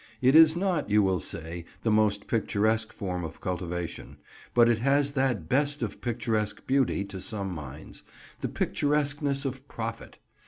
It is not, you will say, the most picturesque form of cultivation, but it has that best of picturesque beauty to some minds, the picturesqueness of profit.